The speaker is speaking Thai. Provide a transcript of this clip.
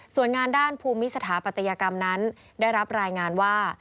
ส่วนงานด้านภูมิสถาปัตยกรรมนั้นได้รับรายงานว่า